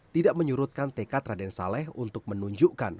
tidak menyurutkan tekad raden saleh untuk menunjukkan